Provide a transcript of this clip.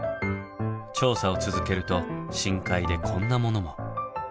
調査を続けると深海でこんなものも。